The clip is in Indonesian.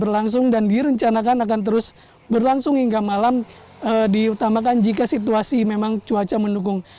berlangsung dan direncanakan akan terus berlangsung hingga malam diutamakan jika situasi memang cuaca mendukung